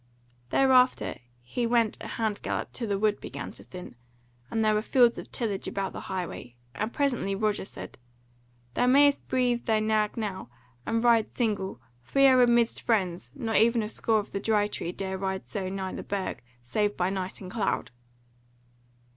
Thereafter he went a hand gallop till the wood began to thin, and there were fields of tillage about the highway; and presently Roger said: "Thou mayst breathe thy nag now, and ride single, for we are amidst friends; not even a score of the Dry Tree dare ride so nigh the Burg save by night and cloud."